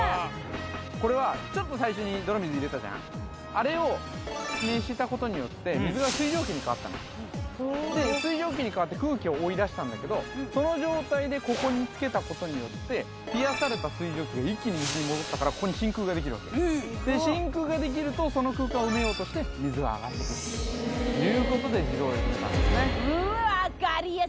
これはちょっとあれを熱したことによって水が水蒸気に変わったので水蒸気に変わって空気を追いだしたんだけどその状態でここにつけたことによって冷やされた水蒸気が一気に水に戻ったからここに真空ができるで真空ができるとその空間を埋めようとして水が上がってくるということで自動でくめたんですね